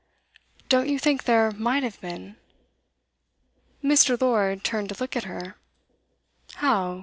'Don't you think there might have been?' Mr. Lord turned to look at her. 'How?